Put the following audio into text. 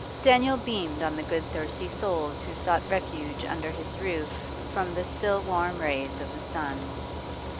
Daniel beamed on the good thirsty souls who sought refuge under his roof from the still warm rays of the sun.